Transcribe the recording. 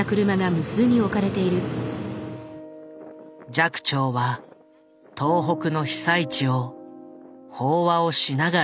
寂聴は東北の被災地を法話をしながら巡った。